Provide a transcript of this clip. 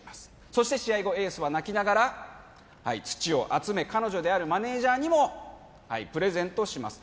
そして試合後エースは泣きながらはい土を集め彼女であるマネージャーにもはいプレゼントします